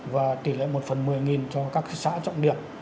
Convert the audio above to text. và tỷ lệ một phần một mươi cho các xã trọng điểm